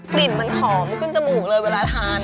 กลิ่นมันหอมขึ้นจมูกเลยเวลาทาน